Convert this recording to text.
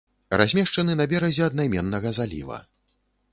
Размешчаны на беразе аднайменнага заліва.